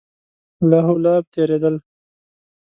لهو لعب تېرېدل.